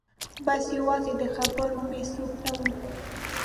بس یوازې د خبرو مې څوک نه و